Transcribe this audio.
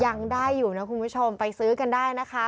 ยังได้อยู่นะคุณผู้ชมไปซื้อกันได้นะคะ